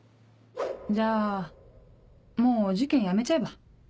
じゃあもうお受験やめちゃえば？